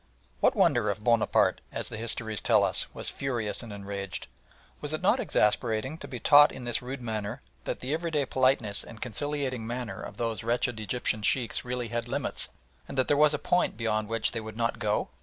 What wonder if Bonaparte, as the histories tell us, was "furious" or "enraged"? Was it not exasperating to be taught in this rude manner that the everyday politeness and conciliating manner of these wretched Egyptian Sheikhs really had limits, and that there was a point beyond which they would not go?